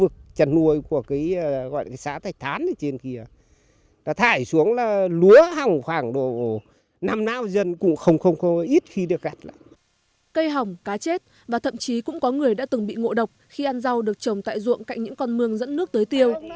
cây hồng cá chết và thậm chí cũng có người đã từng bị ngộ độc khi ăn rau được trồng tại ruộng cạnh những con mương dẫn nước tới tiêu